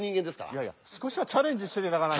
いやいや少しはチャレンジして頂かないと。